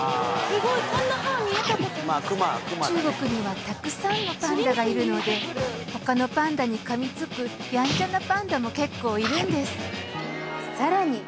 中国にはたくさんのパンダがいるので他のパンダに噛みつくヤンチャなパンダも結構いるんですさらに